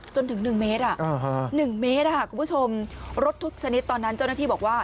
จนถึง๑เมตร๑เมตรคุณผู้ชมรถทุกชนิดตอนนั้นเจ้าหน้าที่บอกว่า